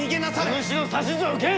お主の指図は受けん！